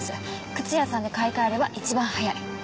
靴屋さんで買い替えれば一番早い。